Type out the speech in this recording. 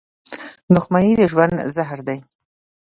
• دښمني د ژوند زهر دي.